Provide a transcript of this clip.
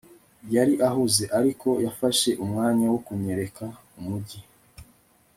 yari ahuze, ariko yafashe umwanya wo kunyereka umujyi